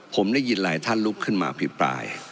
ผมได้ยินหลายท่านลุกขึ้นมาอภิปราย